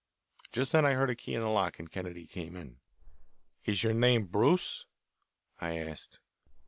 Just then I heard a key in the lock, and Kennedy came in. "Is your name Bruce?" I asked.